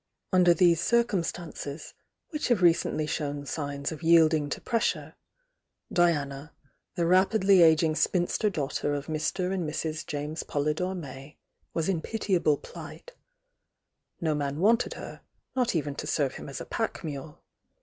Under these circum stances, which have recently shown signs of yield ing to pressure, Diana, the rapidly ageing spinster dau^ter of Mr. and Mrs. James Polydore May, waa in pitiable plight No man wanted her, not even to serve him as a pack mule.